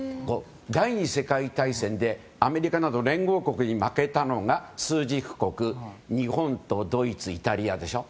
第２次世界大戦でアメリカなど連合国に負けたのが枢軸国日本とドイツ、イタリアでしょ。